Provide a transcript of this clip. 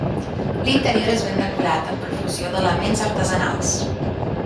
L'interior és ben decorat, amb profusió d'elements artesanals.